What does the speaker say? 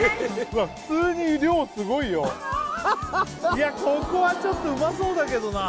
いやここはちょっとうまそうだけどな